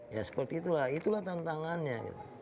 ya seperti itulah itulah tantangannya